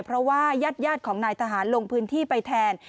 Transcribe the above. เพราะว่ายาดของนายทหารลงพื้นที่ไปแทน